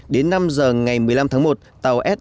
đến năm giờ ngày một mươi năm tháng một tàu s